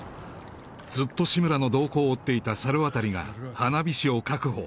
ずっと志村の動向を追っていた猿渡が花火師を確保